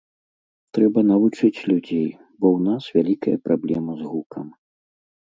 Трэба навучыць людзей, бо ў нас вялікая праблема з гукам.